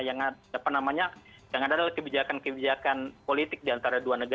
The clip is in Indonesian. yang ada penamanya yang ada adalah kebijakan kebijakan politik di antara dua negara